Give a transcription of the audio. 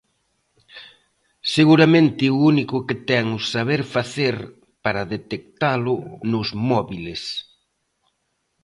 Seguramente o único que ten o "saber facer" para detectalo nos móbiles.